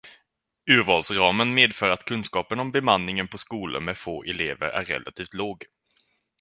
Urvalsramen medför att kunskapen om bemanningen på skolor med få elever är relativt låg.